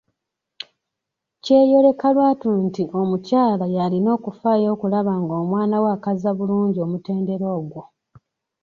Kyeyoleka lwatu nti omukyala y'alina okufaayo okulaba ng'omwana we akaza bulungi omutendera ogwo.